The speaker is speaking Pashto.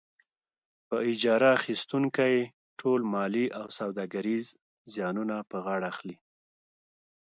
په اجاره اخیستونکی ټول مالي او سوداګریز زیانونه په غاړه اخلي.